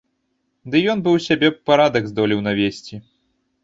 Ды ён бы ў сябе б парадак здолеў навесці!